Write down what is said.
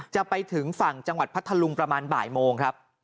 จะไปถึงฝั่งจังหวัดพัทธลุงประมาณบ่ายโมงครับ